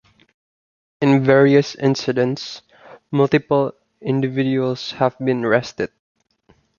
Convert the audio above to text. In various incidents, multiple individuals have been arrested.